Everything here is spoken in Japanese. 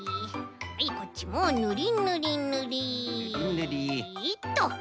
はいこっちもぬりぬりぬりっと。